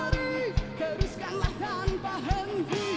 ciptakan suasana tak terlupakan